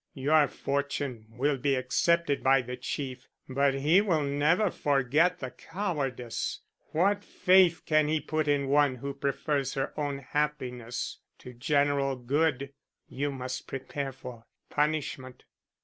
"Your fortune will be accepted by the Chief, but he will never forget the cowardice. What faith can he put in one who prefers her own happiness to the general good? You must prepare for punishment."